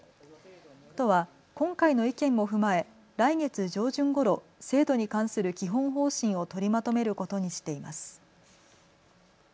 都は今回の意見も踏まえ来月上旬ごろ制度に関する基本方針を取りまとめることにしています。